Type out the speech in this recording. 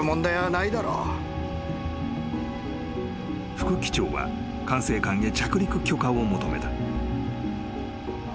［副機長は管制官へ着陸許可を求めた］